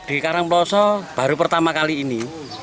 di karangploso baru pertama kali ini